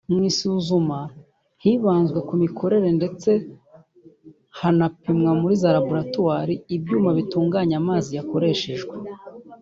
Mu isuzuma hibanzwe ku mikorere ndetse hanapimwa muri za laboratwari ibyuma bitunganya amazi yakoreshejwe